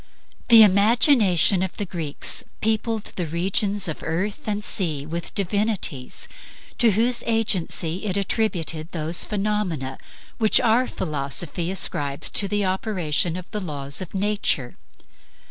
The imagination of the Greeks peopled all the regions of earth and sea with divinities, to whose agency it attributed those phenomena which our philosophy ascribes to the operation of the laws of nature.